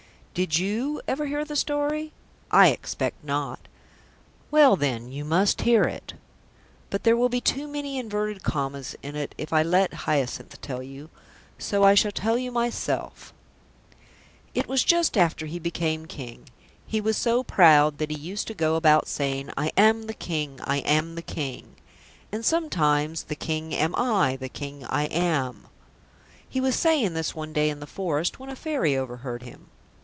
Did you ever hear the story? I expect not. Well, then, you must hear it. But there will be too many inverted commas in it if I let Hyacinth tell you, so I shall tell you myself. [Illustration: Five times he had come back to give her his last instructions] It was just after he became King. He was so proud that he used to go about saying, "I am the King. I am the King." And sometimes, "The King am I. The King I am." He was saying this one day in the forest when a Fairy overheard him.